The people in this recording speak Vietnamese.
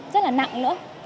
rất là nặng nữa